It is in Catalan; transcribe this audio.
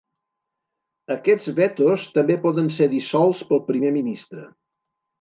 Aquests vetos també poden ser dissolts pel Primer Ministre.